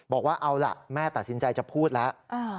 บอกว่าเอาล่ะแม่ตัดสินใจจะพูดแล้ว